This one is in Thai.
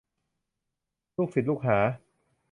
ลูกศิษย์ลูกหา